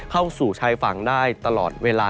เข้าสู่ชายฝั่งได้ตลอดเวลา